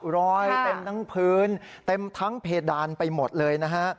รอยเต็มทั้งพื้นเต็มทั้งเพดานไปหมดเลยนะฮะ